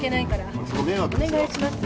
お願いします。